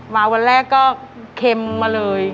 วันแรกก็เค็มมาเลย